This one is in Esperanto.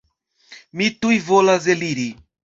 Mi tuj volas eliri.